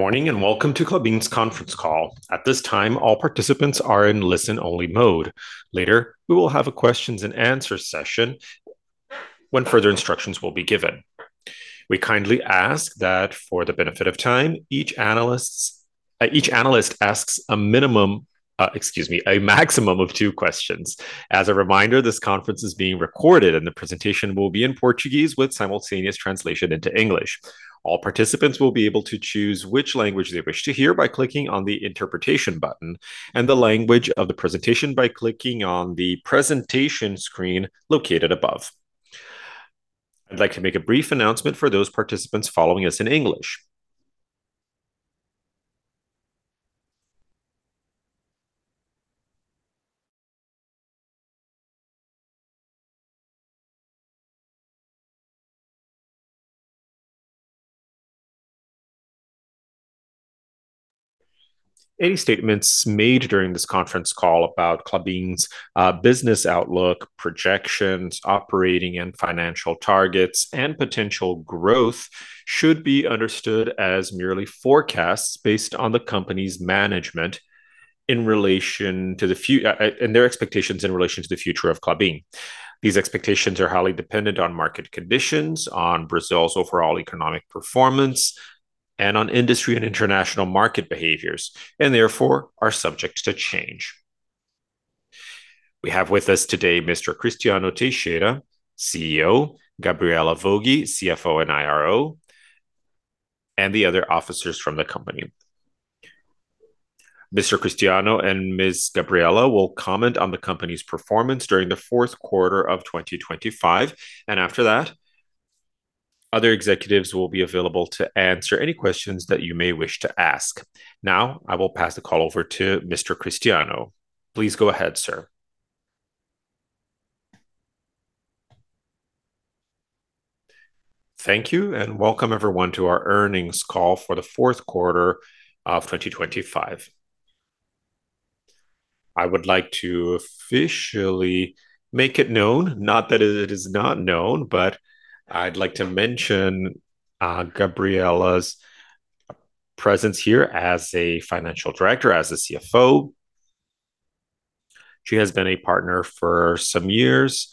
Good morning, and welcome to Klabin's conference call. At this time, all participants are in listen-only mode. Later, we will have a questions and answer session when further instructions will be given. We kindly ask that for the benefit of time, each analysts, each analyst asks a minimum, excuse me, a maximum of two questions. As a reminder, this conference is being recorded, and the presentation will be in Portuguese with simultaneous translation into English. All participants will be able to choose which language they wish to hear by clicking on the interpretation button and the language of the presentation by clicking on the presentation screen located above. I'd like to make a brief announcement for those participants following us in English. Any statements made during this conference call about Klabin's business outlook, projections, operating and financial targets, and potential growth should be understood as merely forecasts based on the company's management in relation to the future and their expectations in relation to the future of Klabin. These expectations are highly dependent on market conditions, on Brazil's overall economic performance, and on industry and international market behaviors, and therefore, are subject to change. We have with us today Mr. Cristiano Teixeira, CEO, Gabriela Woge, CFO, and IRO, and the other officers from the company. Mr. Cristiano and Ms. Gabriela will comment on the company's performance during the fourth quarter of 2025, and after that, other executives will be available to answer any questions that you may wish to ask. Now, I will pass the call over to Mr. Cristiano. Please go ahead, sir. Thank you, and welcome everyone to our earnings call for the fourth quarter of 2025. I would like to officially make it known, not that it is not known, but I'd like to mention, Gabriela's presence here as a financial director, as a CFO. She has been a partner for some years,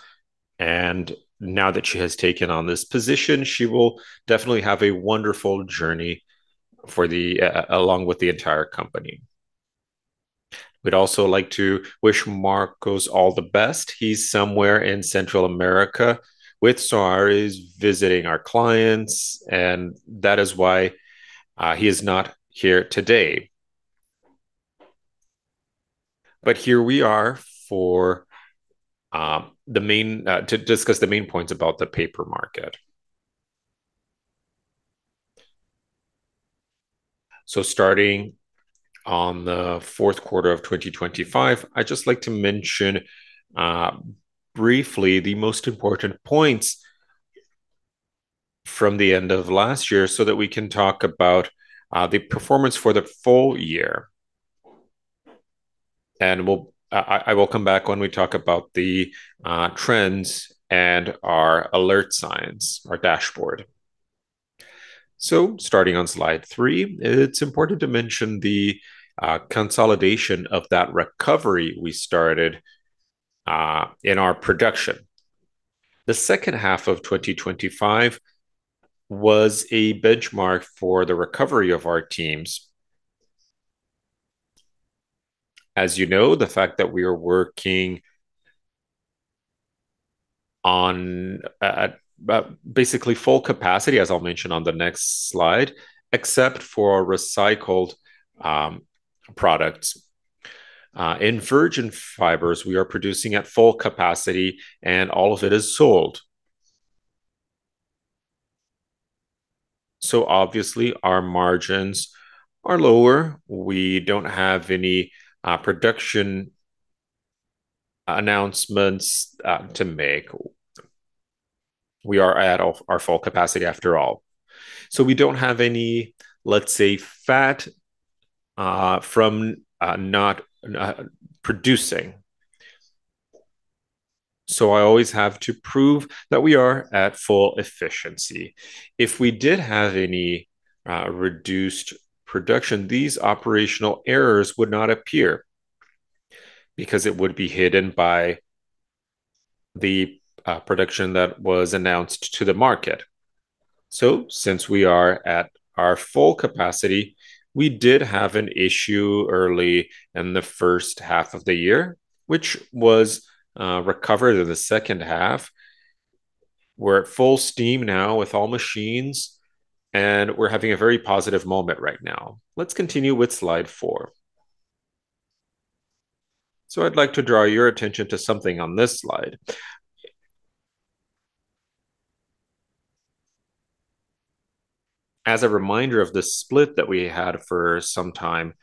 and now that she has taken on this position, she will definitely have a wonderful journey for the, along with the entire company. We'd also like to wish Marcos all the best. He's somewhere in Central America with Soares, visiting our clients, and that is why, he is not here today. But here we are for, the main, to discuss the main points about the paper market. So starting on the fourth quarter of 2025, I'd just like to mention briefly the most important points from the end of last year so that we can talk about the performance for the full year. And we'll... I will come back when we talk about the trends and our alert signs, our dashboard. So starting on slide three, it's important to mention the consolidation of that recovery we started in our production. The second half of 2025 was a benchmark for the recovery of our teams. As you know, the fact that we are working on basically full capacity, as I'll mention on the next slide, except for recycled products. In virgin fibers, we are producing at full capacity, and all of it is sold. So obviously, our margins are lower. We don't have any production announcements to make. We are at our full capacity, after all. So we don't have any, let's say, fat from not producing. So I always have to prove that we are at full efficiency. If we did have any reduced production, these operational errors would not appear because it would be hidden by the production that was announced to the market. So since we are at our full capacity, we did have an issue early in the first half of the year, which was recovered in the second half. We're at full steam now with all machines, and we're having a very positive moment right now. Let's continue with slide four. So I'd like to draw your attention to something on this slide. As a reminder of the split that we had for some time,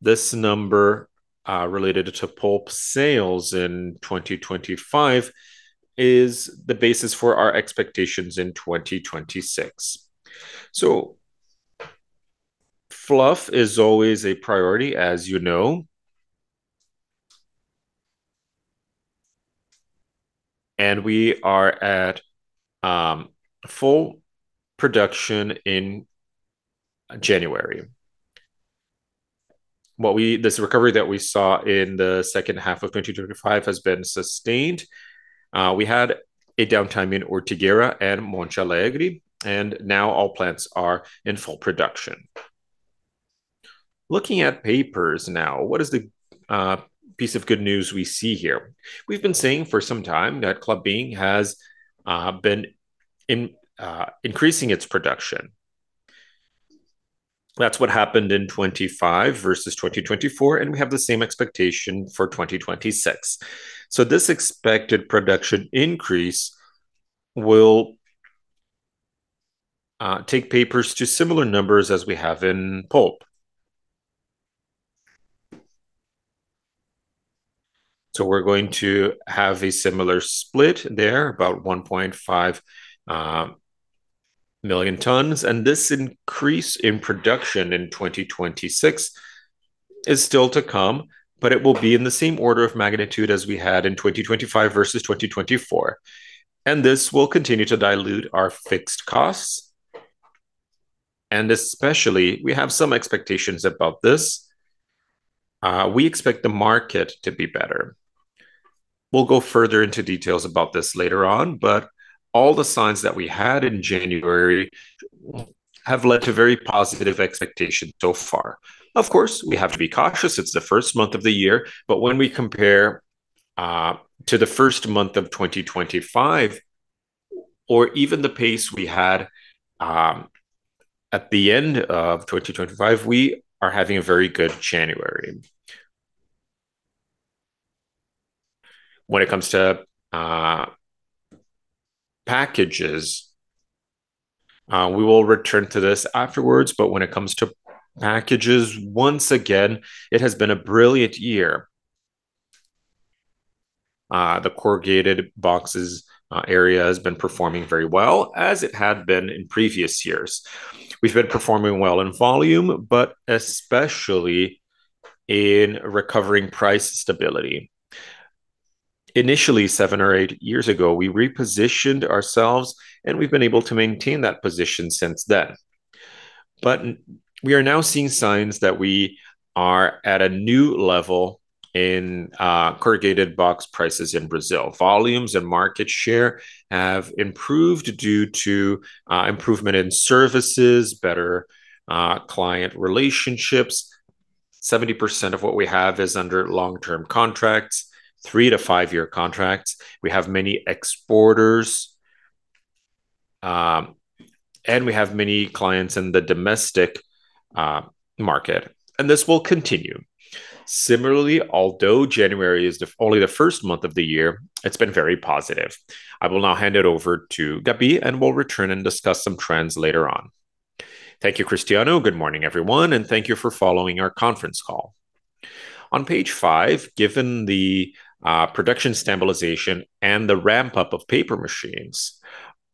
this number related to pulp sales in 2025 is the basis for our expectations in 2026. So fluff is always a priority, as you know, and we are at full production in January. This recovery that we saw in the second half of 2025 has been sustained. We had a downtime in Ortigueira and Monte Alegre, and now all plants are in full production. Looking at papers now, what is the piece of good news we see here? We've been saying for some time that Klabin has been increasing its production. That's what happened in 2025 versus 2024, and we have the same expectation for 2026. So this expected production increase will take papers to similar numbers as we have in pulp. So we're going to have a similar split there, about 1.5 million tons, and this increase in production in 2026 is still to come, but it will be in the same order of magnitude as we had in 2025 versus 2024, and this will continue to dilute our fixed costs, and especially, we have some expectations about this. We expect the market to be better. We'll go further into details about this later on, but all the signs that we had in January have led to very positive expectations so far. Of course, we have to be cautious, it's the first month of the year, but when we compare to the first month of 2025, or even the pace we had at the end of 2025, we are having a very good January. When it comes to packages, we will return to this afterwards, but when it comes to packages, once again, it has been a brilliant year. The corrugated boxes area has been performing very well, as it had been in previous years. We've been performing well in volume, but especially in recovering price stability. Initially, seven or eight years ago, we repositioned ourselves, and we've been able to maintain that position since then. But we are now seeing signs that we are at a new level in corrugated box prices in Brazil. Volumes and market share have improved due to improvement in services, better client relationships. 70% of what we have is under long-term contracts, three-to-five-year contracts. We have many exporters, and we have many clients in the domestic market, and this will continue. Similarly, although January is the only first month of the year, it's been very positive. I will now hand it over to Gabi, and we'll return and discuss some trends later on. Thank you, Cristiano. Good morning, everyone, and thank you for following our conference call. On page five, given the production stabilization and the ramp-up of paper machines,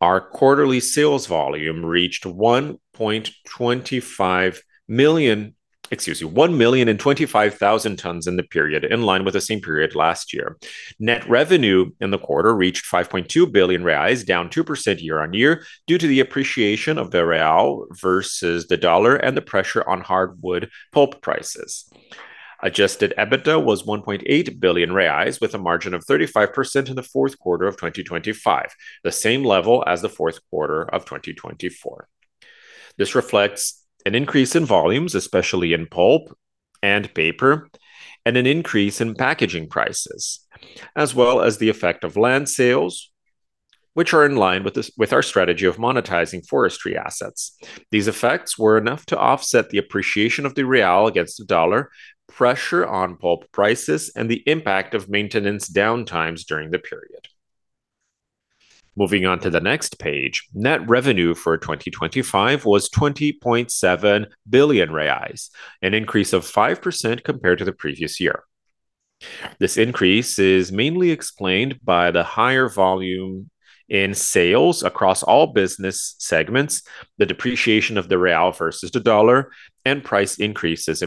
our quarterly sales volume reached 1.25 million... Excuse me, 1,025,000 tons in the period, in line with the same period last year. Net revenue in the quarter reached 5.2 billion reais, down 2% year-on-year, due to the appreciation of the Brazilian real versus the U.S. dollar and the pressure on hardwood pulp prices. Adjusted EBITDA was 1.8 billion reais, with a margin of 35% in the fourth quarter of 2025, the same level as the fourth quarter of 2024. This reflects an increase in volumes, especially in pulp and paper, and an increase in packaging prices, as well as the effect of land sales, which are in line with our strategy of monetizing forestry assets. These effects were enough to offset the appreciation of the real against the dollar, pressure on pulp prices, and the impact of maintenance downtimes during the period. Moving on to the next page, net revenue for 2025 was 20.7 billion reais, an increase of 5% compared to the previous year. This increase is mainly explained by the higher volume in sales across all business segments, the depreciation of the real versus the dollar, and price increases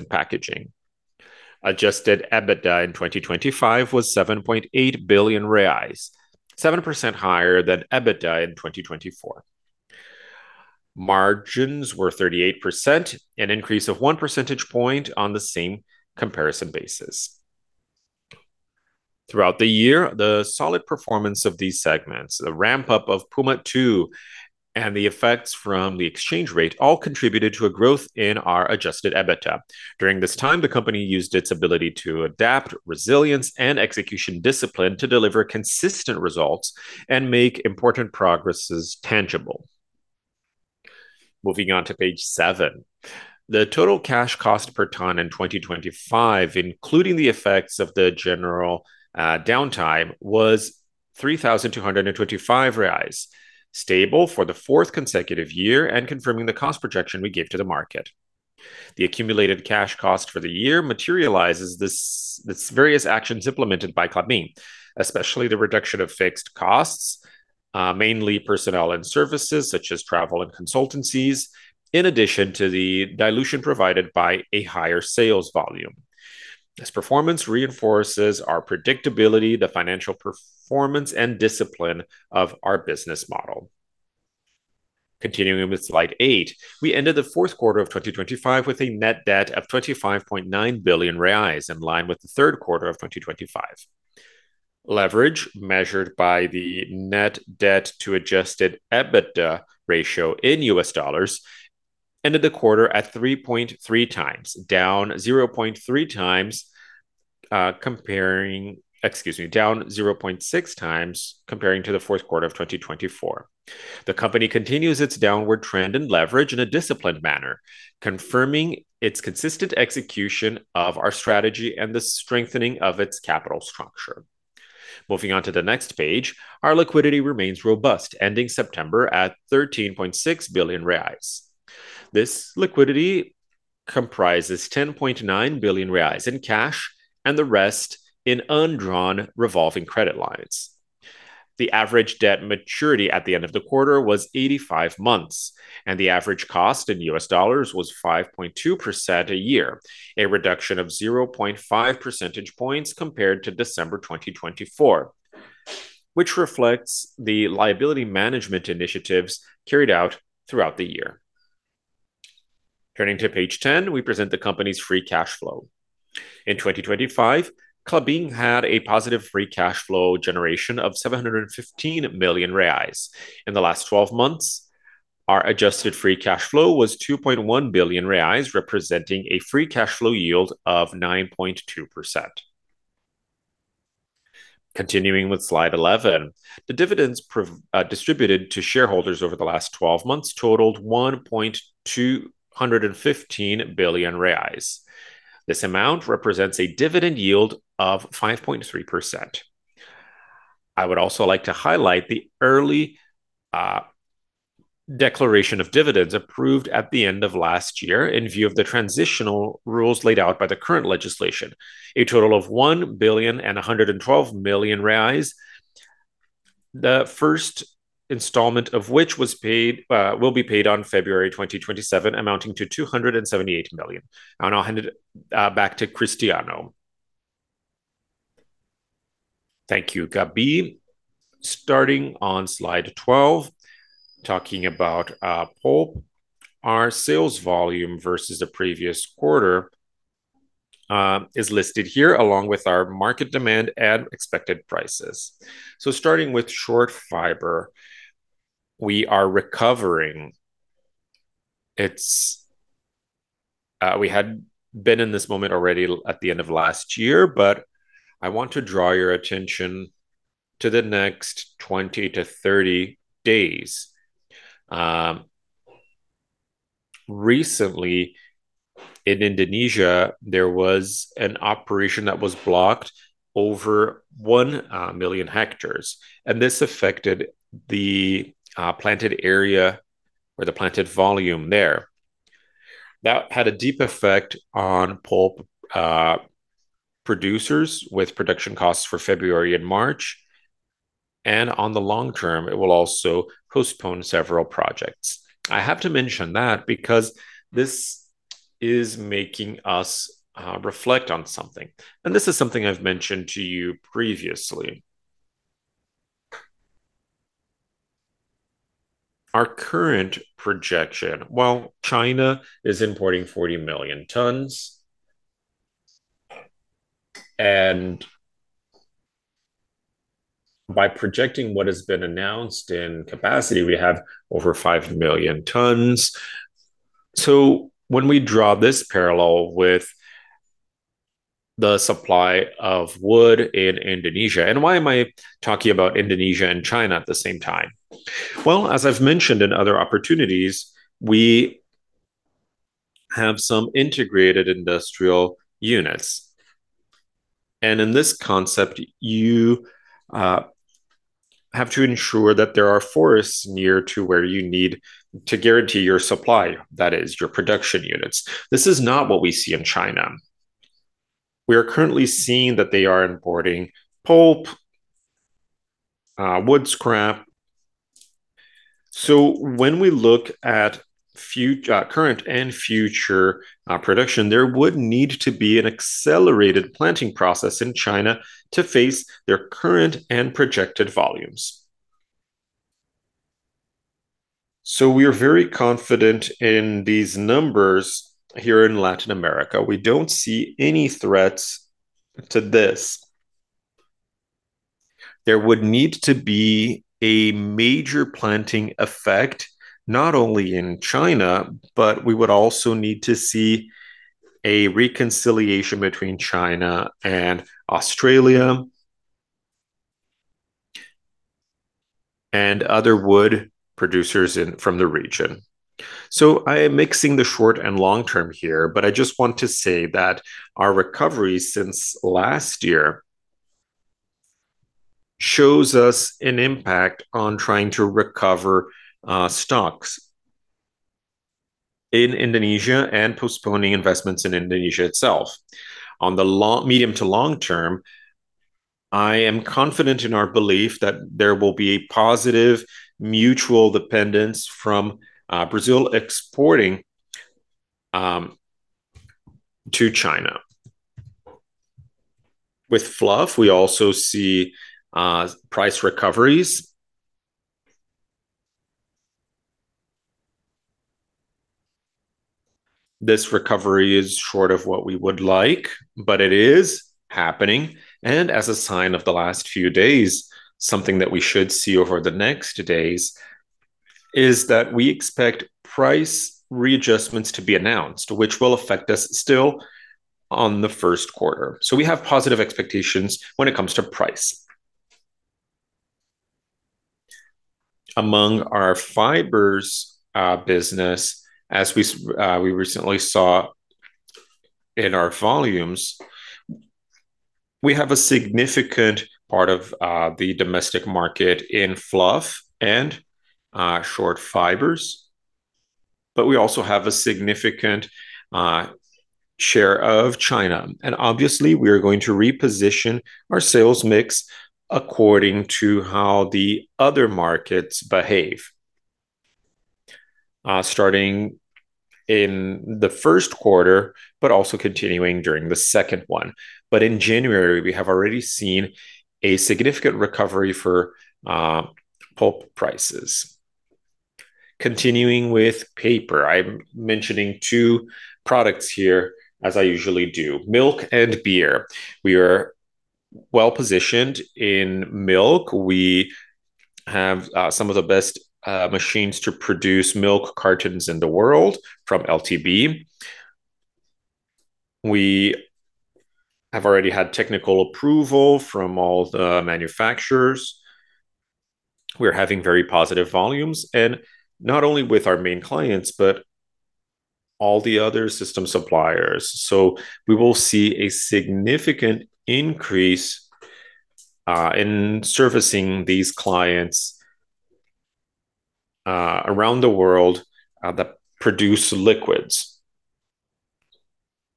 in packaging. Adjusted EBITDA in 2025 was 7.8 billion reais, 7% higher than EBITDA in 2024. Margins were 38%, an increase of 1 percentage point on the same comparison basis. Throughout the year, the solid performance of these segments, the ramp-up of Puma II, and the effects from the exchange rate all contributed to a growth in our adjusted EBITDA. During this time, the company used its ability to adapt, resilience, and execution discipline to deliver consistent results and make important progress tangible. Moving on to page seven. The total cash cost per ton in 2025, including the effects of the general downtime, was 3,225 reais, stable for the fourth consecutive year and confirming the cost projection we gave to the market. The accumulated cash cost for the year materializes this, these various actions implemented by Klabin, especially the reduction of fixed costs, mainly personnel and services, such as travel and consultancies, in addition to the dilution provided by a higher sales volume. This performance reinforces our predictability, the financial performance, and discipline of our business model. Continuing with slide eight, we ended the fourth quarter of 2025 with a net debt of 25.9 billion reais, in line with the third quarter of 2025. Leverage, measured by the net debt to adjusted EBITDA ratio in U.S. dollars, ended the quarter at 3.3x, down 0.3x, excuse me, down 0.6x comparing to the fourth quarter of 2024. The company continues its downward trend in leverage in a disciplined manner, confirming its consistent execution of our strategy and the strengthening of its capital structure. Moving on to the next page, our liquidity remains robust, ending September at 13.6 billion reais. This liquidity comprises 10.9 billion reais in cash and the rest in undrawn revolving credit lines. The average debt maturity at the end of the quarter was 85 months, and the average cost in U.S. dollars was 5.2% a year, a reduction of 0.5 percentage points compared to December 2024, which reflects the liability management initiatives carried out throughout the year. Turning to page 10, we present the company's free cash flow. In 2025, Klabin had a positive free cash flow generation of 715 million reais. In the last twelve months, our adjusted free cash flow was 2.1 billion reais, representing a free cash flow yield of 9.2%. Continuing with Slide 11, the dividends distributed to shareholders over the last twelve months totaled 1.215 billion reais. This amount represents a dividend yield of 5.3%. I would also like to highlight the early declaration of dividends approved at the end of last year in view of the transitional rules laid out by the current legislation. A total of 1.112 billion, the first installment of which was paid will be paid on February 27, amounting to 278 million. I'll hand it back to Cristiano. Thank you, Gabi. Starting on slide 12, talking about pulp, our sales volume versus the previous quarter is listed here, along with our market demand and expected prices. So starting with short fiber, we are recovering. It's we had been in this moment already at the end of last year, but I want to draw your attention to the next 20-30 days. Recently, in Indonesia, there was an operation that was blocked over 1 million hectares, and this affected the planted area or the planted volume there. That had a deep effect on pulp producers with production costs for February and March, and on the long term, it will also postpone several projects. I have to mention that because this is making us reflect on something, and this is something I've mentioned to you previously. Our current projection, well, China is importing 40 million tons, and by projecting what has been announced in capacity, we have over 5 million tons. So when we draw this parallel with the supply of wood in Indonesia. And why am I talking about Indonesia and China at the same time? Well, as I've mentioned in other opportunities, we have some integrated industrial units, and in this concept, you have to ensure that there are forests near to where you need to guarantee your supply, that is, your production units. This is not what we see in China. We are currently seeing that they are importing pulp, wood scrap. So when we look at future, current and future, production, there would need to be an accelerated planting process in China to face their current and projected volumes. So we are very confident in these numbers here in Latin America. We don't see any threats to this. There would need to be a major planting effect, not only in China, but we would also need to see a reconciliation between China and Australia, and other wood producers in, from the region. So I am mixing the short and long term here, but I just want to say that our recovery since last year shows us an impact on trying to recover stocks in Indonesia and postponing investments in Indonesia itself. On the long, medium to long term, I am confident in our belief that there will be a positive mutual dependence from Brazil exporting to China. With fluff, we also see price recoveries. This recovery is short of what we would like, but it is happening, and as a sign of the last few days, something that we should see over the next days is that we expect price readjustments to be announced, which will affect us still on the first quarter. So we have positive expectations when it comes to price. Among our fibers business, as we recently saw in our volumes, we have a significant part of the domestic market in fluff and short fibers, but we also have a significant share of China. Obviously, we are going to reposition our sales mix according to how the other markets behave, starting in the first quarter, but also continuing during the second one. In January, we have already seen a significant recovery for pulp prices. Continuing with paper, I'm mentioning two products here, as I usually do: milk and beer. We are well-positioned in milk. We have some of the best machines to produce milk cartons in the world from LPB. We have already had technical approval from all the manufacturers. We're having very positive volumes, and not only with our main clients, but all the other system suppliers. So we will see a significant increase in servicing these clients around the world that produce liquids.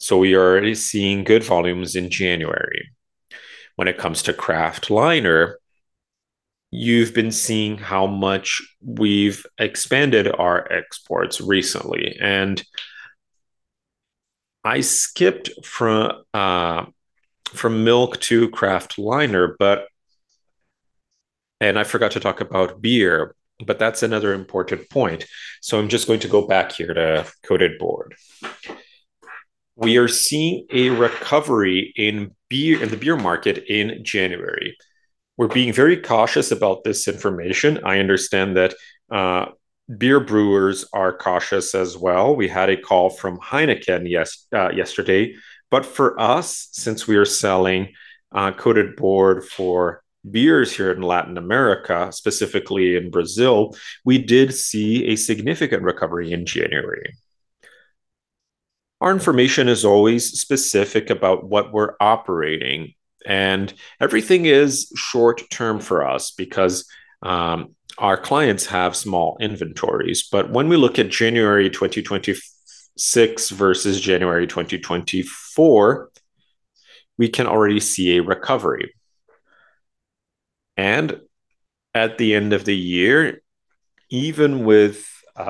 So we are already seeing good volumes in January. When it comes to kraftliner, you've been seeing how much we've expanded our exports recently, and I skipped from milk to kraftliner, but... and I forgot to talk about beer, but that's another important point. So I'm just going to go back here to coated board. We are seeing a recovery in beer, in the beer market in January. We're being very cautious about this information. I understand that beer brewers are cautious as well. We had a call from Heineken yesterday, yesterday, but for us, since we are selling coated board for beers here in Latin America, specifically in Brazil, we did see a significant recovery in January. Our information is always specific about what we're operating, and everything is short term for us because our clients have small inventories. But when we look at January 2026 versus January 2024, we can already see a recovery. And at the end of the year, even with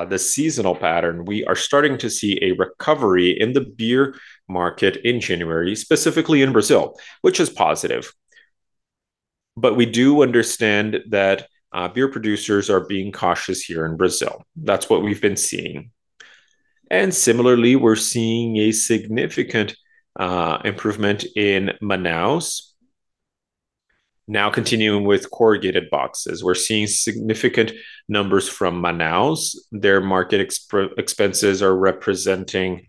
the seasonal pattern, we are starting to see a recovery in the beer market in January, specifically in Brazil, which is positive. But we do understand that beer producers are being cautious here in Brazil. That's what we've been seeing. And similarly, we're seeing a significant improvement in Manaus. Now, continuing with corrugated boxes, we're seeing significant numbers from Manaus. Their market expenses are representing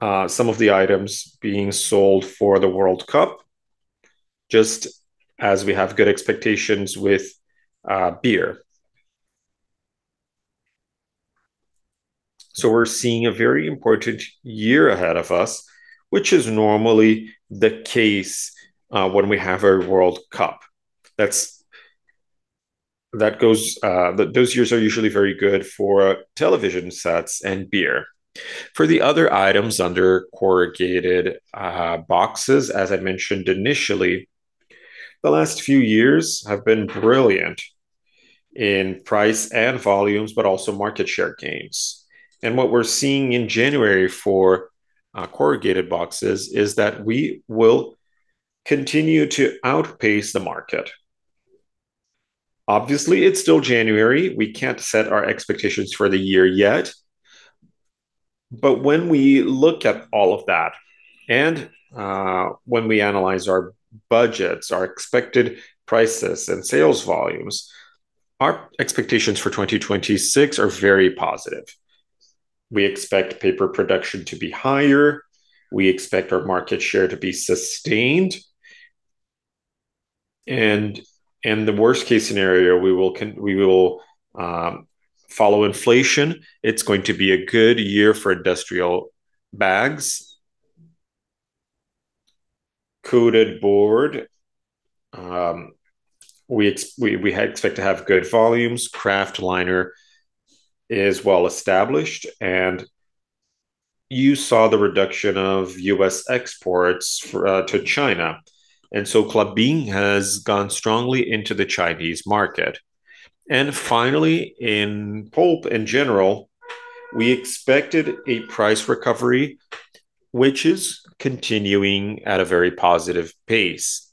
some of the items being sold for the World Cup, just as we have good expectations with beer. So we're seeing a very important year ahead of us, which is normally the case when we have a World Cup. That's that goes, those years are usually very good for television sets and beer. For the other items under corrugated boxes, as I mentioned initially, the last few years have been brilliant in price and volumes, but also market share gains. And what we're seeing in January for corrugated boxes is that we will continue to outpace the market. Obviously, it's still January. We can't set our expectations for the year yet. But when we look at all of that, and when we analyze our budgets, our expected prices and sales volumes, our expectations for 2026 are very positive. We expect paper production to be higher, we expect our market share to be sustained, and, in the worst-case scenario, we will follow inflation. It's going to be a good year for industrial bags.... Coated board, we expect to have good volumes. Kraftliner is well established, and you saw the reduction of U.S. exports for to China, and so Klabin has gone strongly into the Chinese market. And finally, in pulp, in general, we expected a price recovery, which is continuing at a very positive pace.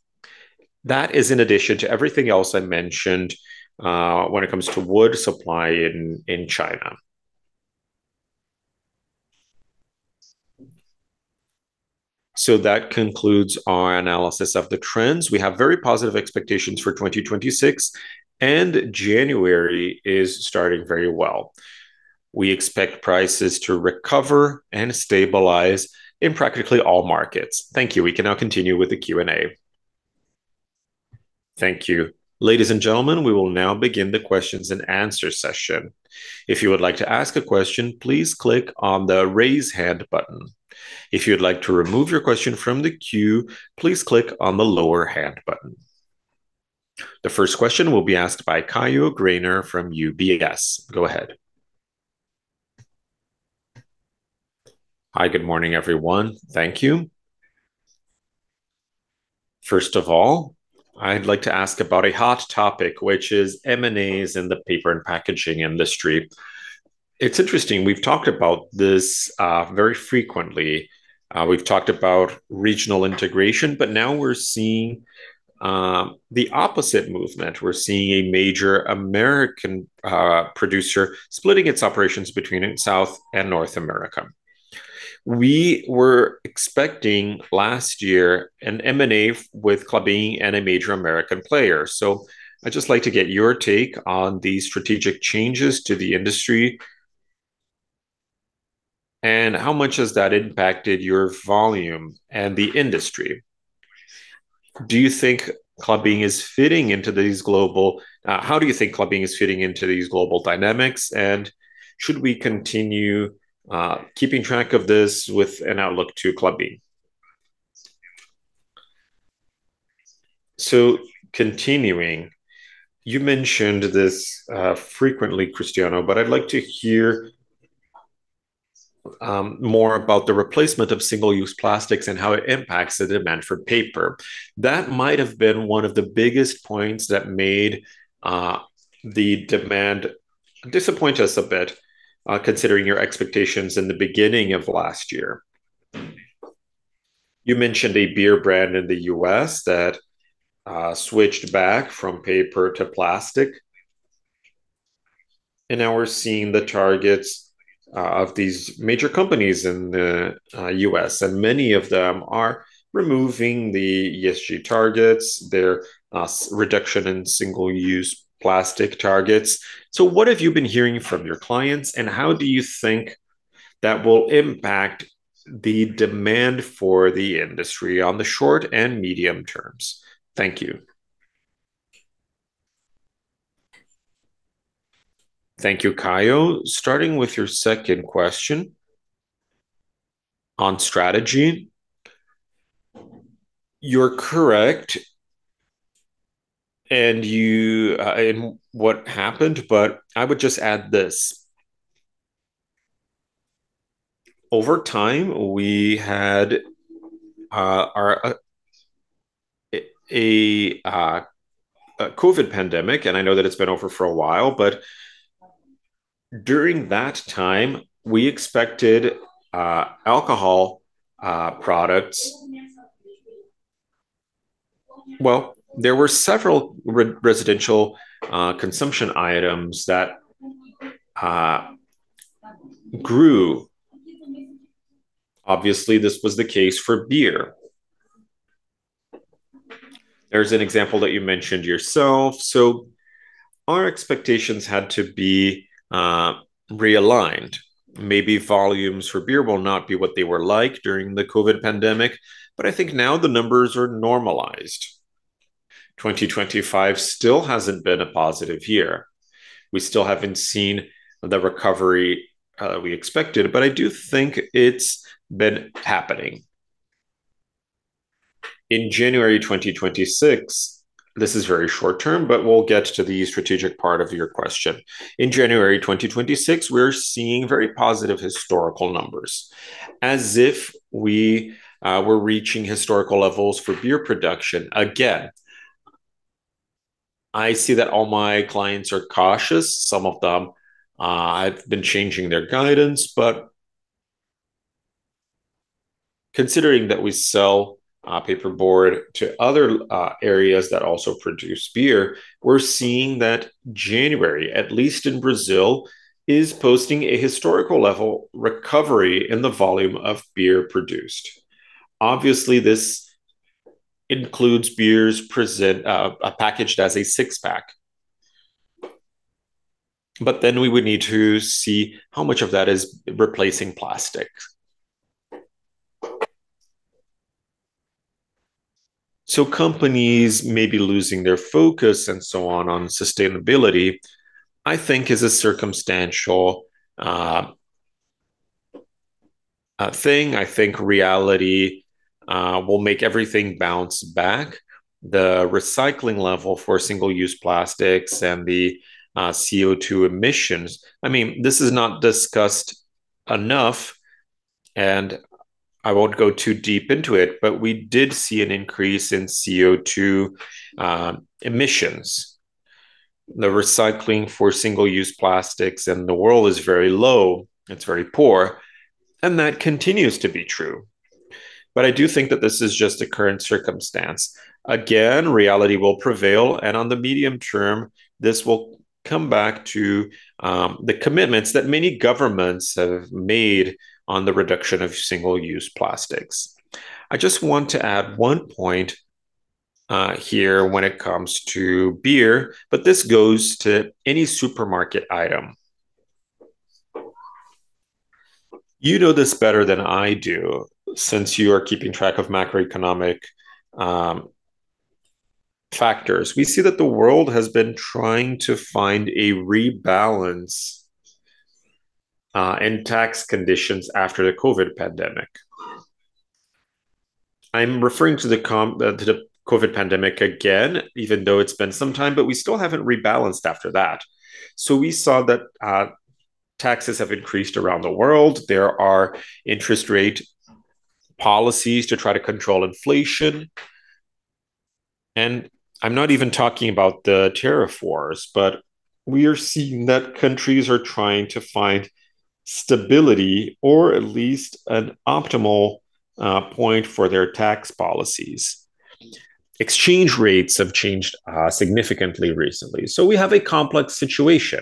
That is in addition to everything else I mentioned when it comes to wood supply in China. So that concludes our analysis of the trends. We have very positive expectations for 2026, and January is starting very well. We expect prices to recover and stabilize in practically all markets. Thank you. We can now continue with the Q&A. Thank you. Ladies and gentlemen, we will now begin the questions and answer session. If you would like to ask a question, please click on the Raise Hand button. If you'd like to remove your question from the queue, please click on the Lower Hand button. The first question will be asked by Caio Greiner from UBS. Go ahead. Hi, good morning, everyone. Thank you. First of all, I'd like to ask about a hot topic, which is M&As in the paper and packaging industry. It's interesting, we've talked about this, very frequently. We've talked about regional integration, but now we're seeing the opposite movement. We're seeing a major American producer splitting its operations between South and North America. We were expecting last year an M&A with Klabin and a major American player. So I'd just like to get your take on these strategic changes to the industry, and how much has that impacted your volume and the industry? Do you think Klabin is fitting into these global... How do you think Klabin is fitting into these global dynamics, and should we continue keeping track of this with an outlook to Klabin? So continuing, you mentioned this frequently, Cristiano, but I'd like to hear more about the replacement of single-use plastics and how it impacts the demand for paper. That might have been one of the biggest points that made the demand disappoint us a bit, considering your expectations in the beginning of last year. You mentioned a beer brand in the U.S. that switched back from paper to plastic, and now we're seeing the targets of these major companies in the U.S., and many of them are removing the ESG targets, their reduction in single-use plastic targets. So what have you been hearing from your clients, and how do you think that will impact the demand for the industry on the short and medium terms? Thank you. Thank you, Caio. Starting with your second question on strategy, you're correct, and you in what happened, but I would just add this: Over time, we had our a COVID pandemic, and I know that it's been over for a while, but during that time, we expected alcohol products. Well, there were several residential consumption items that grew. Obviously, this was the case for beer. There's an example that you mentioned yourself, so our expectations had to be realigned. Maybe volumes for beer will not be what they were like during the COVID pandemic, but I think now the numbers are normalized. 2025 still hasn't been a positive year. We still haven't seen the recovery we expected, but I do think it's been happening. In January 2026, this is very short term, but we'll get to the strategic part of your question. In January 2026, we're seeing very positive historical numbers, as if we were reaching historical levels for beer production again. I see that all my clients are cautious. Some of them have been changing their guidance, but considering that we sell paperboard to other areas that also produce beer, we're seeing that January, at least in Brazil, is posting a historical level recovery in the volume of beer produced. Obviously, this includes beers present packaged as a six-pack. But then we would need to see how much of that is replacing plastic. So companies may be losing their focus and so on, on sustainability, I think is a circumstantial thing, I think reality will make everything bounce back. The recycling level for single-use plastics and the CO₂ emissions, I mean, this is not discussed enough, and I won't go too deep into it, but we did see an increase in CO₂ emissions. The recycling for single-use plastics in the world is very low, it's very poor, and that continues to be true. But I do think that this is just a current circumstance. Again, reality will prevail, and on the medium term, this will come back to the commitments that many governments have made on the reduction of single-use plastics. I just want to add one point here when it comes to beer, but this goes to any supermarket item. You know this better than I do, since you are keeping track of macroeconomic factors. We see that the world has been trying to find a rebalance in tax conditions after the COVID pandemic. I'm referring to the COVID pandemic again, even though it's been some time, but we still haven't rebalanced after that. So we saw that taxes have increased around the world. There are interest rate policies to try to control inflation, and I'm not even talking about the tariff wars, but we are seeing that countries are trying to find stability or at least an optimal point for their tax policies. Exchange rates have changed significantly recently. So we have a complex situation.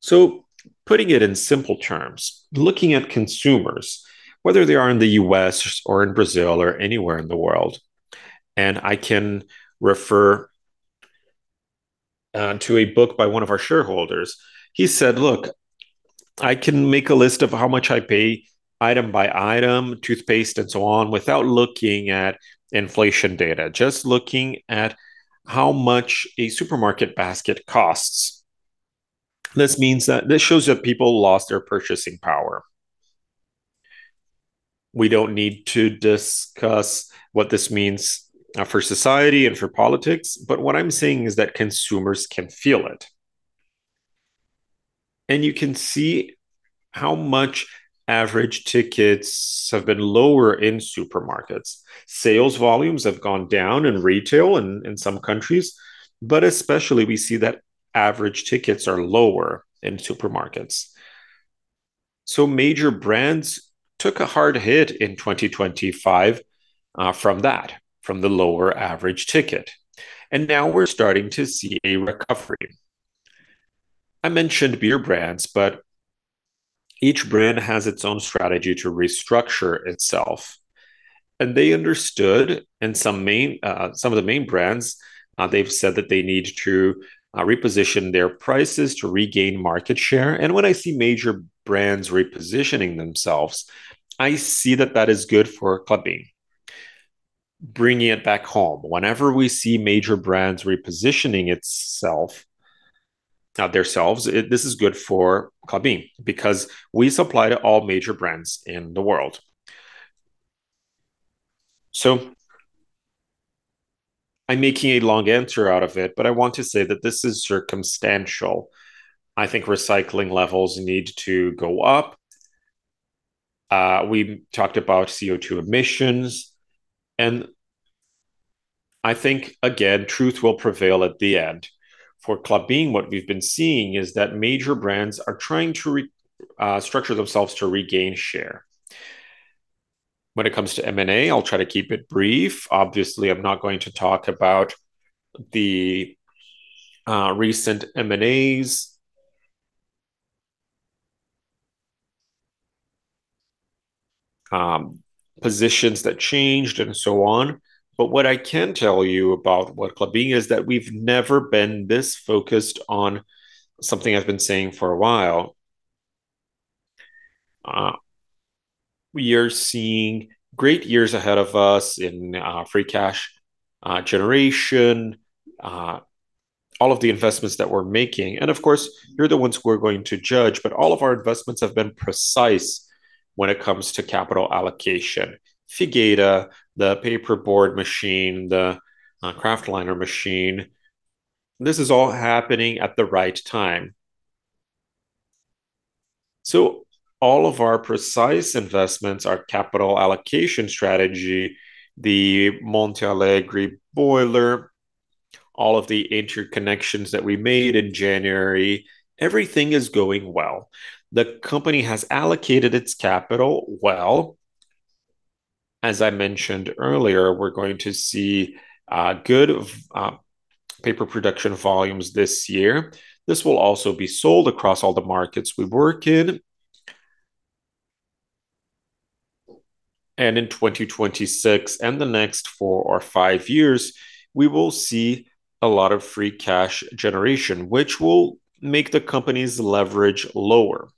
So putting it in simple terms, looking at consumers, whether they are in the U.S. or in Brazil or anywhere in the world, and I can refer to a book by one of our shareholders. He said: "Look, I can make a list of how much I pay item by item, toothpaste and so on, without looking at inflation data, just looking at how much a supermarket basket costs." This shows that people lost their purchasing power. We don't need to discuss what this means for society and for politics, but what I'm saying is that consumers can feel it. You can see how much average tickets have been lower in supermarkets. Sales volumes have gone down in retail in some countries, but especially, we see that average tickets are lower in supermarkets. So major brands took a hard hit in 2025 from that, from the lower average ticket, and now we're starting to see a recovery. I mentioned beer brands, but each brand has its own strategy to restructure itself, and they understood, and some of the main brands, they've said that they need to reposition their prices to regain market share. When I see major brands repositioning themselves, I see that that is good for Klabin. Bringing it back home, whenever we see major brands repositioning itself, theirselves, this is good for Klabin because we supply to all major brands in the world. So I'm making a long answer out of it, but I want to say that this is circumstantial. I think recycling levels need to go up. We talked about CO₂ emissions, and I think, again, truth will prevail at the end. For Klabin, what we've been seeing is that major brands are trying to restructure themselves to regain share. When it comes to M&A, I'll try to keep it brief. Obviously, I'm not going to talk about the recent M&As, positions that changed and so on. But what I can tell you about what Klabin is that we've never been this focused on something I've been saying for a while. We are seeing great years ahead of us in free cash generation, all of the investments that we're making, and of course, you're the ones who are going to judge, but all of our investments have been precise when it comes to capital allocation. Figueira, the paperboard machine, the kraftliner machine, this is all happening at the right time. So all of our precise investments, our capital allocation strategy, the Monte Alegre boiler, all of the interconnections that we made in January, everything is going well. The company has allocated its capital well. As I mentioned earlier, we're going to see good paper production volumes this year. This will also be sold across all the markets we work in. And in 2026, and the next four or five years, we will see a lot of free cash generation, which will make the company's leverage lower.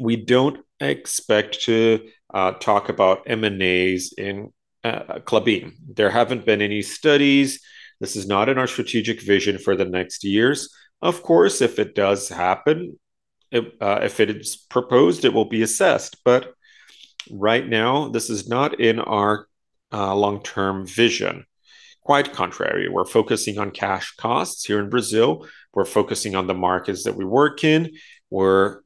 We don't expect to talk about M&As in Klabin. There haven't been any studies. This is not in our strategic vision for the next years. Of course, if it does happen, if it is proposed, it will be assessed, but right now, this is not in our long-term vision. Quite contrary, we're focusing on cash costs here in Brazil, we're focusing on the markets that we work in, we're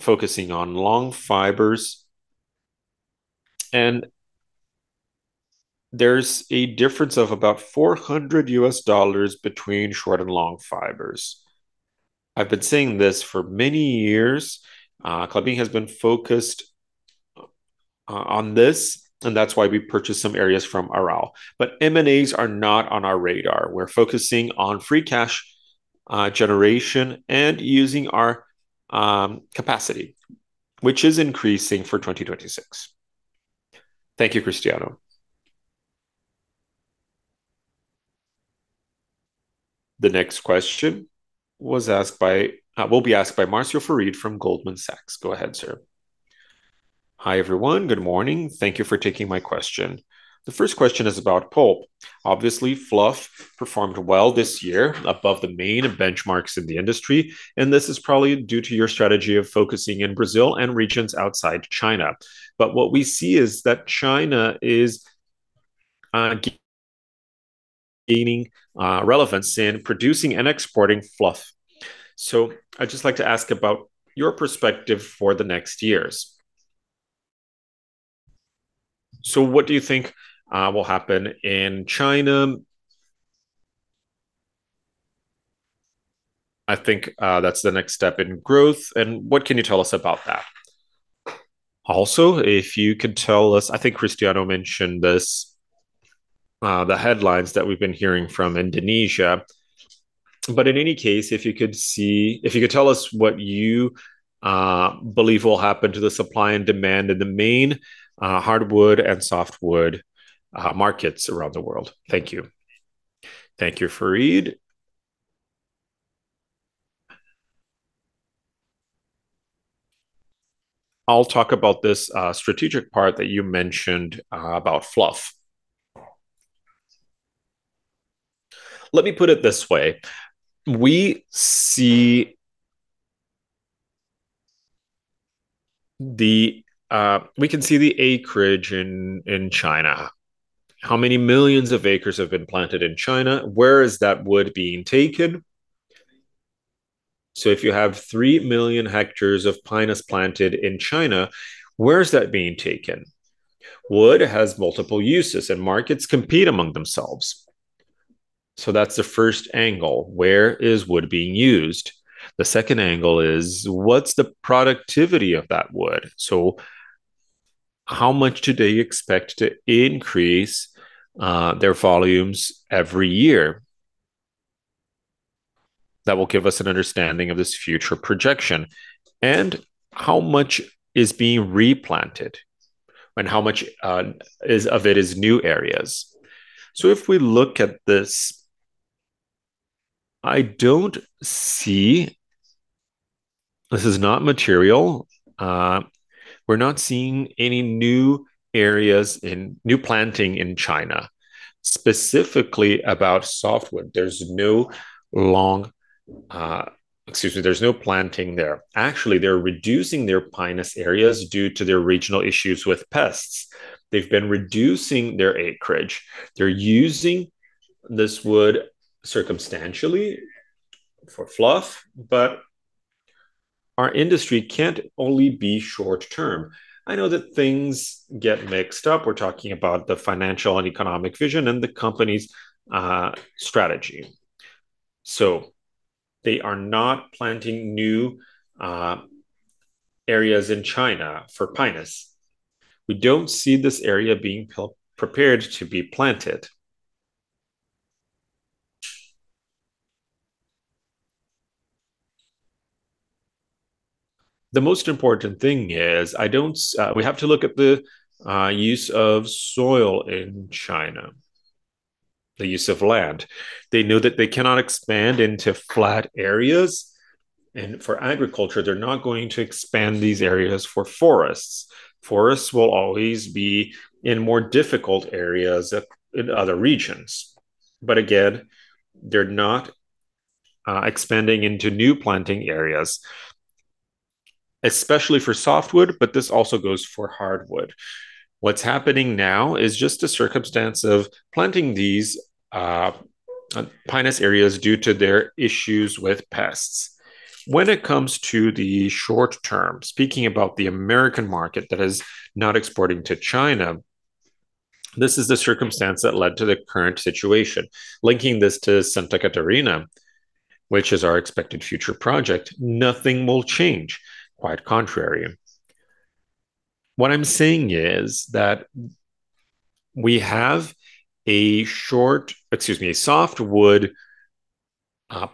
focusing on long fibers. And there's a difference of about $400 between short and long fibers. I've been saying this for many years, Klabin has been focused on this, and that's why we purchased some areas from Arauco. But M&As are not on our radar. We're focusing on free cash generation and using our capacity, which is increasing for 2026. Thank you, Cristiano. The next question was asked by, will be asked by Marcio Farid from Goldman Sachs. Go ahead, sir. Hi, everyone. Good morning. Thank you for taking my question. The first question is about pulp. Obviously, fluff performed well this year above the main benchmarks in the industry, and this is probably due to your strategy of focusing in Brazil and regions outside China. But what we see is that China is gaining relevance in producing and exporting fluff. So I'd just like to ask about your perspective for the next years. So what do you think will happen in China? I think that's the next step in growth, and what can you tell us about that? Also, if you could tell us, I think Cristiano mentioned this, the headlines that we've been hearing from Indonesia. But in any case, if you could tell us what you believe will happen to the supply and demand in the main hardwood and softwood markets around the world. Thank you. Thank you, Farid. I'll talk about this strategic part that you mentioned about fluff. Let me put it this way, we see the we can see the acreage in China, how many millions of acres have been planted in China, where is that wood being taken? So if you have 3 million hectares of Pinus planted in China, where is that being taken? Wood has multiple uses, and markets compete among themselves. So that's the first angle: Where is wood being used? The second angle is: What's the productivity of that wood? So how much do they expect to increase their volumes every year? That will give us an understanding of this future projection, and how much is being replanted, and how much of it is new areas. So if we look at this, I don't see... This is not material. We're not seeing any new areas in new planting in China, specifically about softwood. There's no long, excuse me, there's no planting there. Actually, they're reducing their Pinus areas due to their regional issues with pests. They've been reducing their acreage. They're using this wood circumstantially for fluff, but our industry can't only be short term. I know that things get mixed up. We're talking about the financial and economic vision and the company's strategy. So they are not planting new areas in China for Pinus. We don't see this area being prepared to be planted. The most important thing is, I don't, we have to look at the use of soil in China, the use of land. They know that they cannot expand into flat areas, and for agriculture, they're not going to expand these areas for forests. Forests will always be in more difficult areas in other regions. But again, they're not expanding into new planting areas, especially for softwood, but this also goes for hardwood. What's happening now is just a circumstance of planting these Pinus areas due to their issues with pests. When it comes to the short term, speaking about the American market that is not exporting to China, this is the circumstance that led to the current situation. Linking this to Santa Catarina, which is our expected future project, nothing will change. Quite contrary. What I'm saying is that we have a short, excuse me, a softwood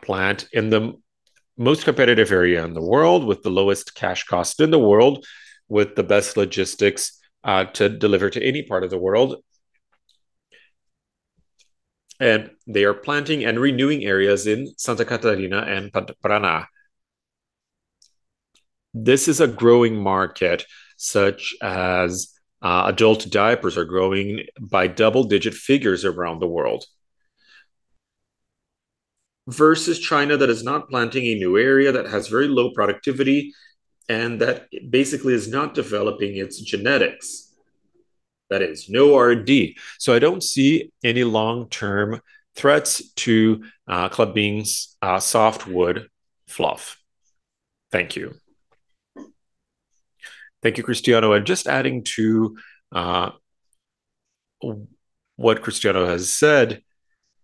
plant in the most competitive area in the world, with the lowest cash cost in the world, with the best logistics to deliver to any part of the world... and they are planting and renewing areas in Santa Catarina and Paraná. This is a growing market, such as adult diapers are growing by double-digit figures around the world. Versus China, that is not planting a new area, that has very low productivity, and that basically is not developing its genetics. That is, no R&D. So I don't see any long-term threats to Klabin's softwood fluff. Thank you. Thank you, Cristiano. Just adding to what Cristiano has said,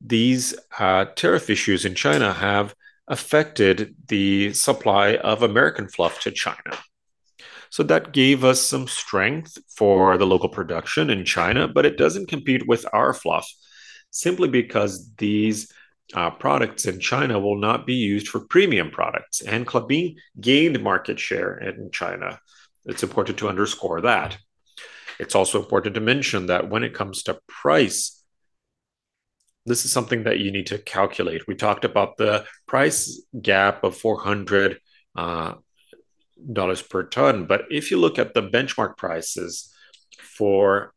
these tariff issues in China have affected the supply of American fluff to China. So that gave us some strength for the local production in China, but it doesn't compete with our fluff, simply because these products in China will not be used for premium products, and Klabin gained market share in China. It's important to underscore that. It's also important to mention that when it comes to price, this is something that you need to calculate. We talked about the price gap of $400 per ton, but if you look at the benchmark prices for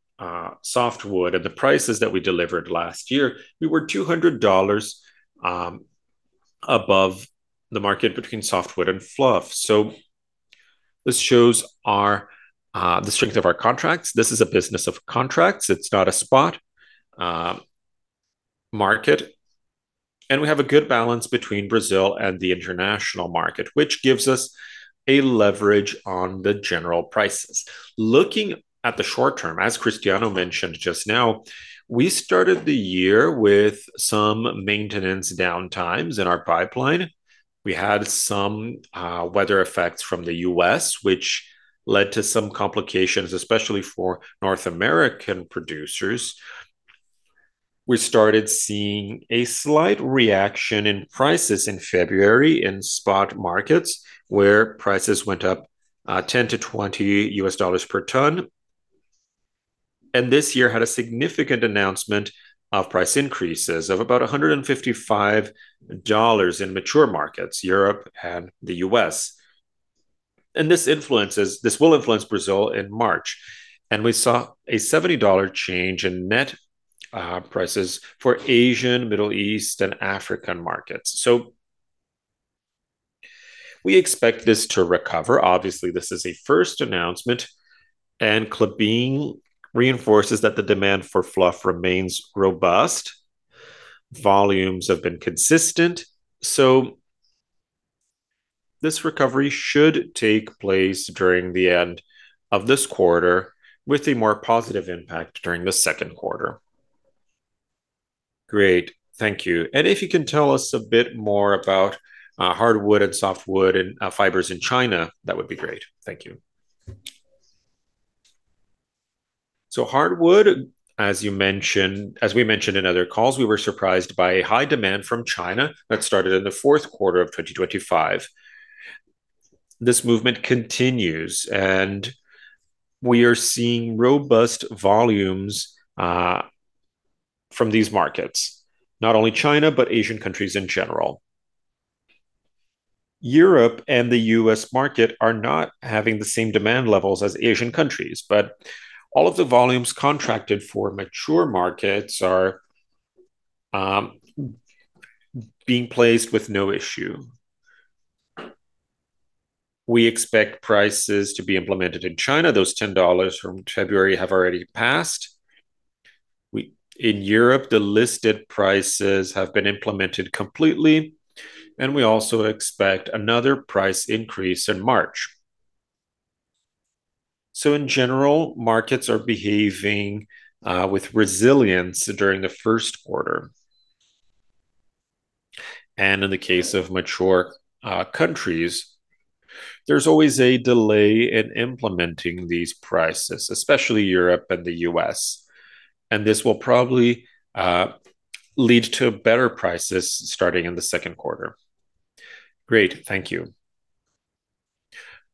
softwood and the prices that we delivered last year, we were $200 above the market between softwood and fluff. So this shows our the strength of our contracts. This is a business of contracts. It's not a spot market, and we have a good balance between Brazil and the international market, which gives us a leverage on the general prices. Looking at the short term, as Cristiano mentioned just now, we started the year with some maintenance downtimes in our pipeline. We had some weather effects from the U.S., which led to some complications, especially for North American producers. We started seeing a slight reaction in prices in February in spot markets, where prices went up $10-$20 per ton. And this year had a significant announcement of price increases of about $155 in mature markets, Europe and the U.S. And this influences, this will influence Brazil in March, and we saw a $70 change in net prices for Asian, Middle East, and African markets. So we expect this to recover. Obviously, this is a first announcement, and Klabin reinforces that the demand for fluff remains robust. Volumes have been consistent, so this recovery should take place during the end of this quarter, with a more positive impact during the second quarter. Great, thank you. And if you can tell us a bit more about, hardwood and softwood and fibers in China, that would be great. Thank you. So hardwood, as you mentioned—as we mentioned in other calls, we were surprised by a high demand from China that started in the fourth quarter of 2025. This movement continues, and we are seeing robust volumes from these markets, not only China, but Asian countries in general. Europe and the U.S. market are not having the same demand levels as Asian countries, but all of the volumes contracted for mature markets are being placed with no issue. We expect prices to be implemented in China. Those $10 from February have already passed. We in Europe, the listed prices have been implemented completely, and we also expect another price increase in March. In general, markets are behaving with resilience during the first quarter. And in the case of mature countries, there's always a delay in implementing these prices, especially Europe and the U.S., and this will probably lead to better prices starting in the second quarter. Great, thank you.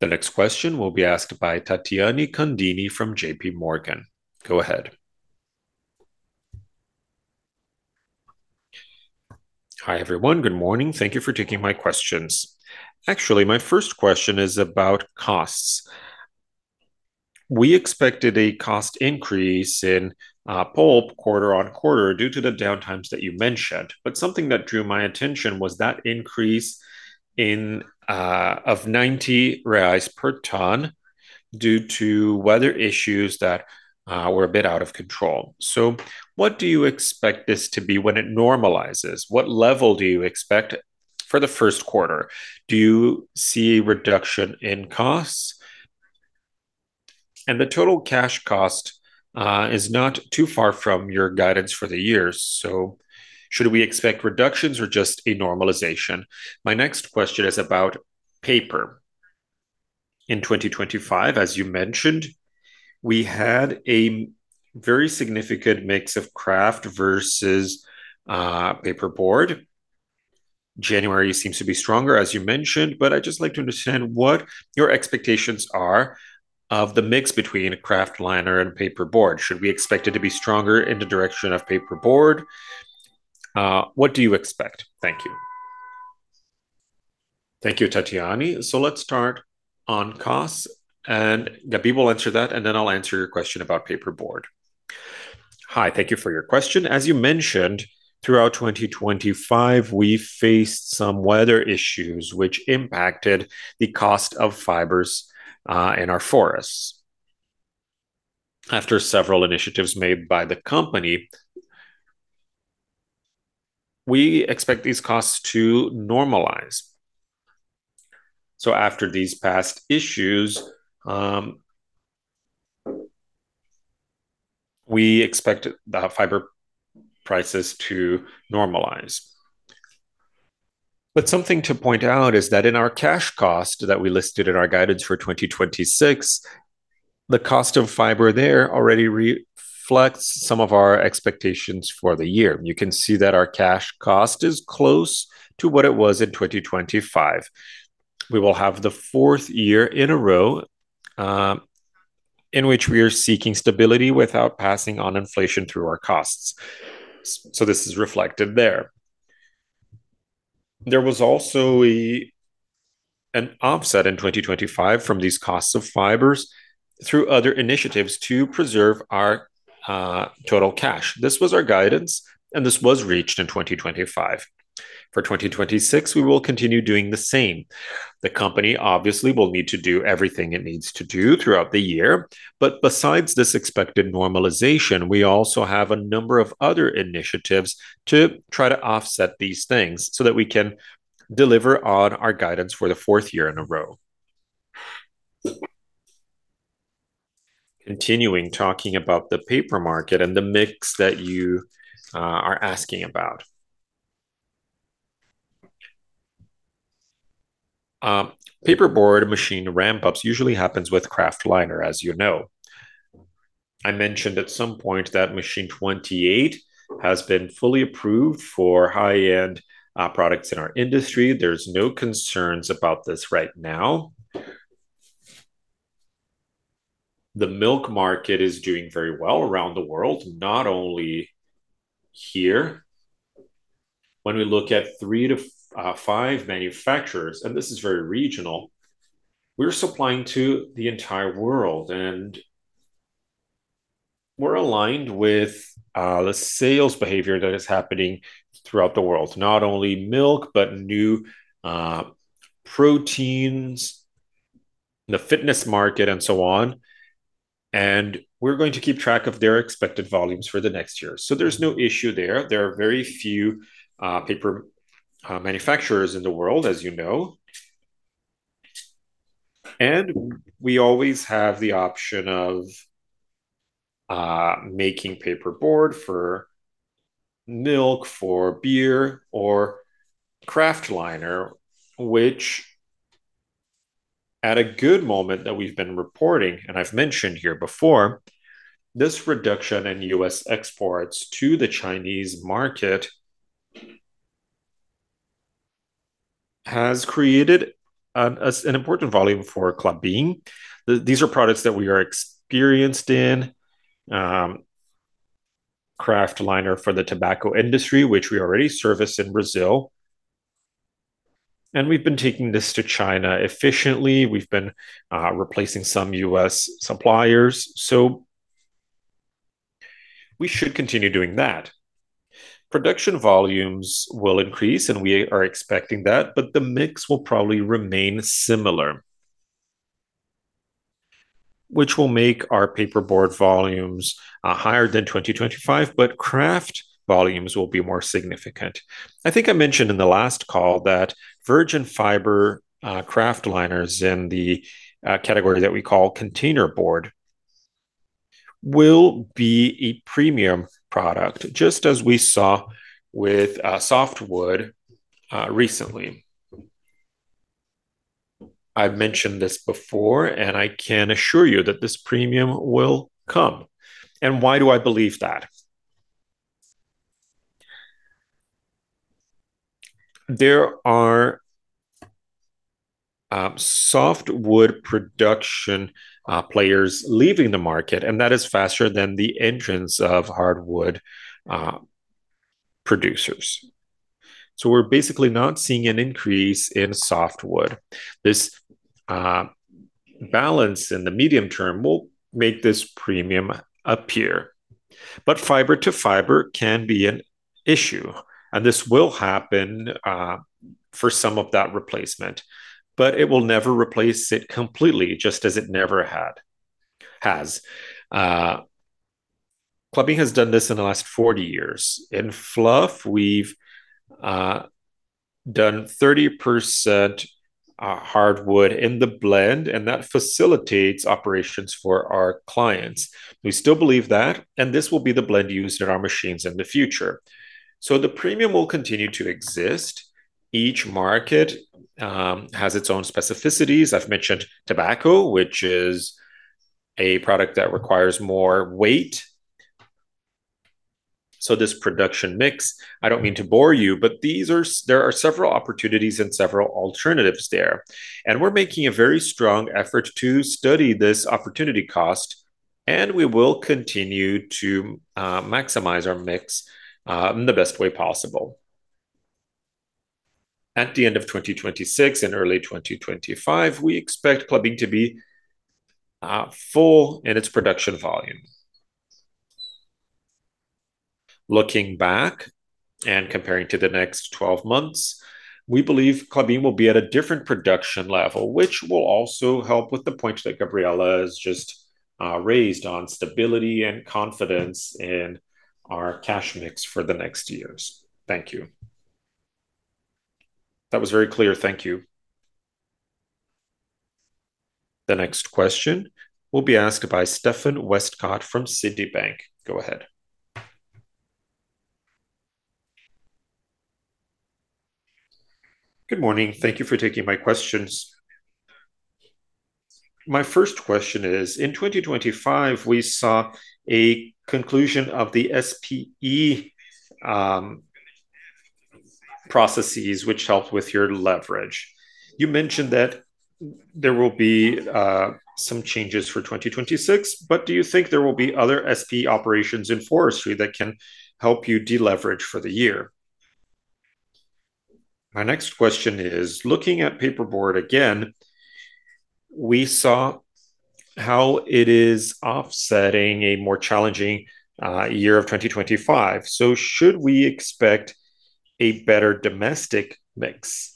The next question will be asked by Tatiane Candini from JPMorgan. Go ahead. Hi, everyone. Good morning. Thank you for taking my questions. Actually, my first question is about costs. We expected a cost increase in pulp quarter-on-quarter due to the downtimes that you mentioned, but something that drew my attention was that increase of 90 reais per ton due to weather issues that were a bit out of control. So what do you expect this to be when it normalizes? What level do you expect for the first quarter? Do you see a reduction in costs? And the total cash cost is not too far from your guidance for the year, so should we expect reductions or just a normalization? My next question is about paper. In 2025, as you mentioned, we had a very significant mix of kraft versus paperboard. January seems to be stronger, as you mentioned, but I'd just like to understand what your expectations are of the mix between kraftliner and paperboard. Should we expect it to be stronger in the direction of paperboard? What do you expect? Thank you. Thank you, Tatiane. So let's start on costs, and Gabi will answer that, and then I'll answer your question about paperboard. Hi, thank you for your question. As you mentioned, throughout 2025, we faced some weather issues which impacted the cost of fibers in our forests. After several initiatives made by the company, we expect these costs to normalize. So after these past issues, we expect the fiber prices to normalize. But something to point out is that in our cash cost that we listed in our guidance for 2026, the cost of fiber there already reflects some of our expectations for the year. You can see that our cash cost is close to what it was in 2025. We will have the fourth year in a row in which we are seeking stability without passing on inflation through our costs. So this is reflected there. There was also an offset in 2025 from these costs of fibers through other initiatives to preserve our total cash. This was our guidance, and this was reached in 2025. For 2026, we will continue doing the same. The company obviously will need to do everything it needs to do throughout the year. But besides this expected normalization, we also have a number of other initiatives to try to offset these things so that we can deliver on our guidance for the fourth year in a row. Continuing talking about the paper market and the mix that you are asking about. Paperboard machine ramp-ups usually happens with Kraftliner as you know. I mentioned at some point that machine 28 has been fully approved for high-end, products in our industry. There's no concerns about this right now. The milk market is doing very well around the world, not only here. When we look at 3-5 manufacturers, and this is very regional, we're supplying to the entire world, and we're aligned with, the sales behavior that is happening throughout the world. Not only milk, but new, proteins, the fitness market, and so on, and we're going to keep track of their expected volumes for the next year. So there's no issue there. There are very few, paper, manufacturers in the world, as you know. We always have the option of making paperboard for milk, for beer, or Kraftliner, which at a good moment that we've been reporting, and I've mentioned here before, this reduction in U.S. exports to the Chinese market has created an important volume for Klabin. These are products that we are experienced in, Kraftliner for the tobacco industry, which we already service in Brazil, and we've been taking this to China efficiently. We've been replacing some U.S. suppliers, so we should continue doing that. Production volumes will increase, and we are expecting that, but the mix will probably remain similar, which will make our paperboard volumes higher than 2025, but kraft volumes will be more significant. I think I mentioned in the last call that virgin fiber kraftliners in the category that we call container board will be a premium product, just as we saw with softwood recently. I've mentioned this before, and I can assure you that this premium will come. And why do I believe that? There are softwood production players leaving the market, and that is faster than the entrance of hardwood producers. So we're basically not seeing an increase in softwood. This balance in the medium term will make this premium appear. But fiber to fiber can be an issue, and this will happen for some of that replacement, but it will never replace it completely, just as it never had... has. Klabin has done this in the last 40 years. In fluff, we've done 30% hardwood in the blend, and that facilitates operations for our clients. We still believe that, and this will be the blend used in our machines in the future. So the premium will continue to exist. Each market has its own specificities. I've mentioned tobacco, which is a product that requires more weight... So this production mix, I don't mean to bore you, but there are several opportunities and several alternatives there, and we're making a very strong effort to study this opportunity cost, and we will continue to maximize our mix in the best way possible. At the end of 2026 and early 2025, we expect Klabin to be full in its production volume. Looking back and comparing to the next 12 months, we believe Klabin will be at a different production level, which will also help with the points that Gabriela has just raised on stability and confidence in our cash mix for the next years. Thank you. That was very clear. Thank you. The next question will be asked by Stefan Westcott from Citibank. Go ahead. Good morning. Thank you for taking my questions. My first question is, in 2025, we saw a conclusion of the SPE processes, which helped with your leverage. You mentioned that there will be some changes for 2026, but do you think there will be other SPE operations in forestry that can help you deleverage for the year? My next question is, looking at paperboard again, we saw how it is offsetting a more challenging year of 2025, so should we expect a better domestic mix?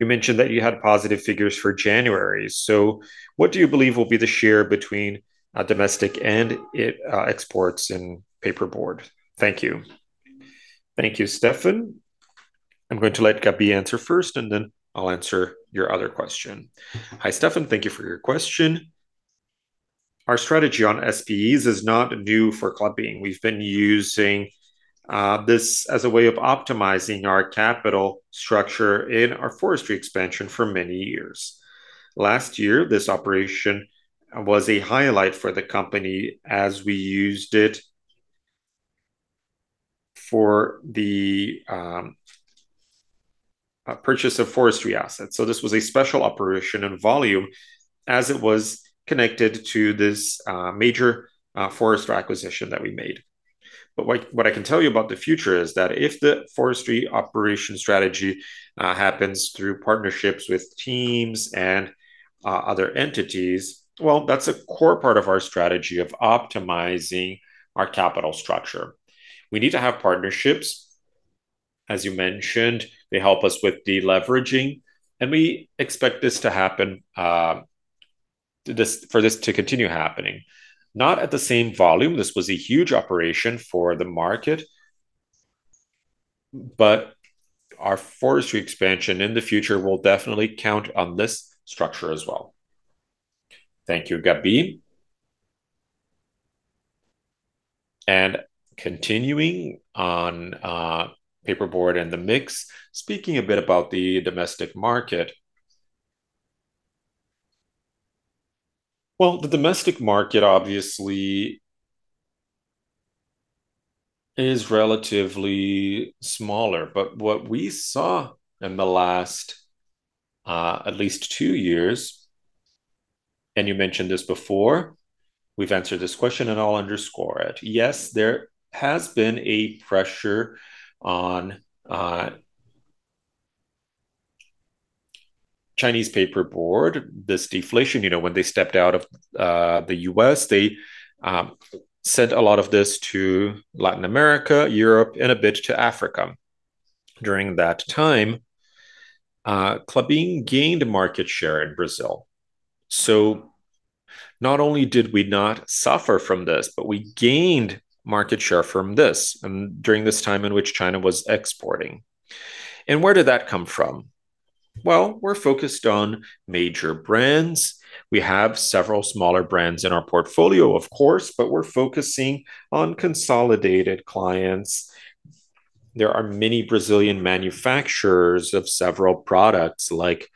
You mentioned that you had positive figures for January, so what do you believe will be the share between domestic and exports in paperboard? Thank you. Thank you, Stefan. I'm going to let Gabi answer first, and then I'll answer your other question. Hi, Stefan. Thank you for your question. Our strategy on SPEs is not new for Klabin. We've been using this as a way of optimizing our capital structure in our forestry expansion for many years. Last year, this operation was a highlight for the company as we used it for the purchase of forestry assets. So this was a special operation and volume as it was connected to this major forestry acquisition that we made. But what, what I can tell you about the future is that if the forestry operation strategy happens through partnerships with TIMOs and other entities, well, that's a core part of our strategy of optimizing our capital structure. We need to have partnerships. As you mentioned, they help us with deleveraging, and we expect this to happen, this, for this to continue happening, not at the same volume, this was a huge operation for the market, but our forestry expansion in the future will definitely count on this structure as well. Thank you, Gabi. And continuing on, paperboard and the mix, speaking a bit about the domestic market. Well, the domestic market obviously is relatively smaller, but what we saw in the last, at least two years, and you mentioned this before, we've answered this question, and I'll underscore it. Yes, there has been a pressure on, Chinese paperboard. This deflation, you know, when they stepped out of, the U.S., they, sent a lot of this to Latin America, Europe, and a bit to Africa. During that time, Klabin gained market share in Brazil. So not only did we not suffer from this, but we gained market share from this, and during this time in which China was exporting. Where did that come from? Well, we're focused on major brands. We have several smaller brands in our portfolio, of course, but we're focusing on consolidated clients. There are many Brazilian manufacturers of several products like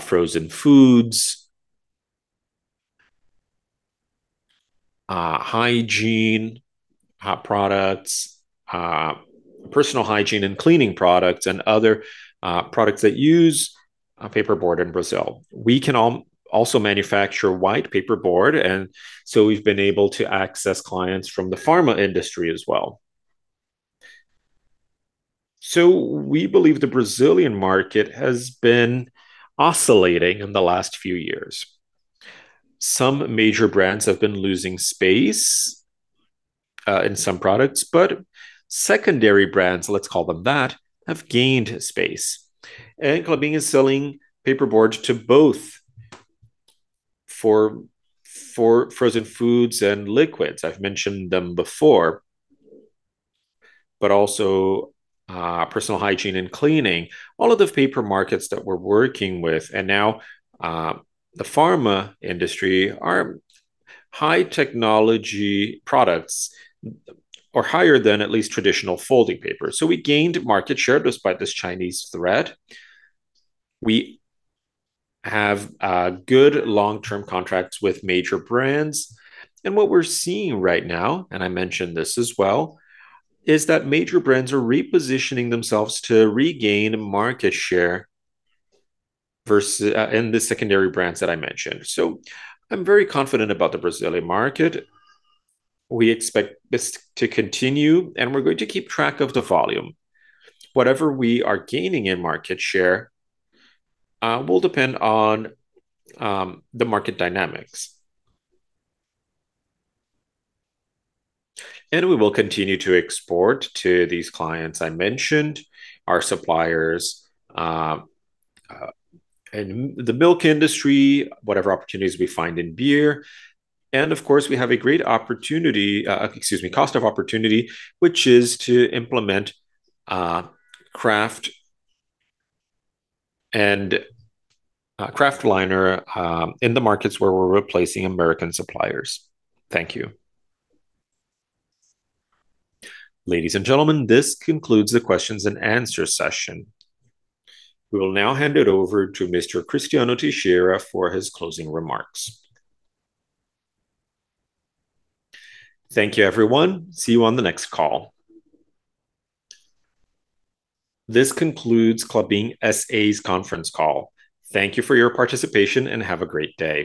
frozen foods, hygiene products, personal hygiene and cleaning products, and other products that use paperboard in Brazil. We can also manufacture white paperboard, and so we've been able to access clients from the pharma industry as well. So we believe the Brazilian market has been oscillating in the last few years. Some major brands have been losing space in some products, but secondary brands, let's call them that, have gained space, and Klabin is selling paperboard to both for frozen foods and liquids. I've mentioned them before, but also personal hygiene and cleaning, all of the paper markets that we're working with, and now the pharma industry are high-technology products or higher than at least traditional folding paper. So we gained market share despite this Chinese threat. We have good long-term contracts with major brands, and what we're seeing right now, and I mentioned this as well, is that major brands are repositioning themselves to regain market share versus in the secondary brands that I mentioned. So I'm very confident about the Brazilian market. We expect this to continue, and we're going to keep track of the volume. Whatever we are gaining in market share will depend on the market dynamics. And we will continue to export to these clients I mentioned, our suppliers in the milk industry, whatever opportunities we find in beer, and of course, we have a great opportunity, excuse me, cost of opportunity, which is to implement kraftliner in the markets where we're replacing American suppliers. Thank you. Ladies and gentlemen, this concludes the questions and answer session. We will now hand it over to Mr. Cristiano Teixeira for his closing remarks. Thank you, everyone. See you on the next call. This concludes Klabin S.A.'s conference call. Thank you for your participation, and have a great day.